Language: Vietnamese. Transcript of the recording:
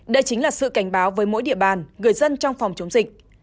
đây chính là sự cảnh báo với mỗi địa bàn người dân trong phòng chống dịch